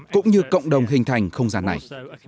cũng như cộng đồng hình thành không gian này